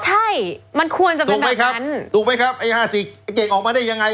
ใช่มันควรจะถูกไหมครับถูกไหมครับไอ้ห้าสี่ไอ้เก่งออกมาได้ยังไง